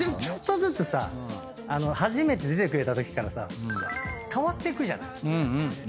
ちょっとずつさ初めて出てくれたときからさ変わっていくじゃない。